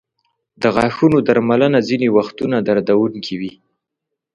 د غاښونو درملنه ځینې وختونه دردونکې وي.